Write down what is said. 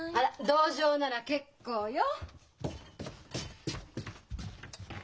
同情なら結構よ。